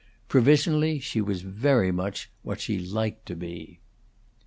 Provisionally, she was very much what she liked to be.